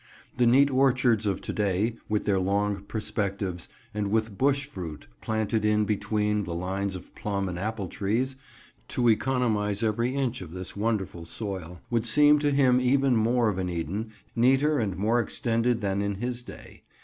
The neat orchards of to day, with their long perspectives, and with bush fruit planted in between the lines of plum and apple trees, to economise every inch of this wonderful soil, would seem to him even more of an Eden, neater and more extended than in his day.